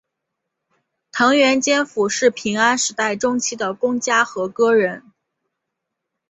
藤原兼辅是平安时代中期的公家和歌人。